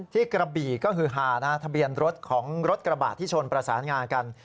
กระบี่ก็คือฮานะทะเบียนรถของรถกระบะที่ชนประสานงากัน